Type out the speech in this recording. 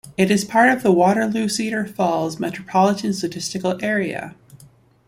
It is part of the Waterloo-Cedar Falls Metropolitan Statistical Area.